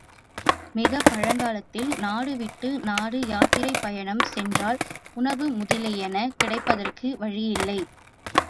மிகப் பழங்காலத்தில் நாடு விட்டு நாடு யாத்திரை பயணம் சென்றால் உணவு முதலியன கிடைப்பதற்கு வழியில்லை.